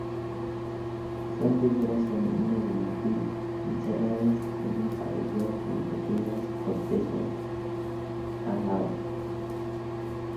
Son figuras femeninas de marfil, encerradas en un pabellón con pequeñas cortesanas al lado.